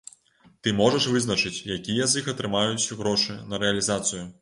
Ты можаш вызначыць, якія з іх атрымаюць грошы на рэалізацыю.